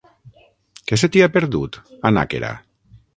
Què se t'hi ha perdut, a Nàquera?